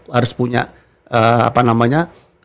harus punya apa namanya